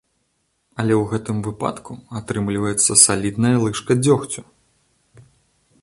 Але ў гэтым выпадку атрымліваецца салідная лыжка дзёгцю.